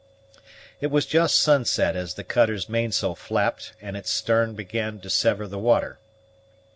It was just sunset as the cutter's mainsail flapped and its stem began to sever the water.